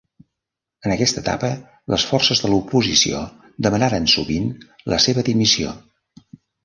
En aquesta etapa les forces de l'oposició demanaren sovint la seva dimissió.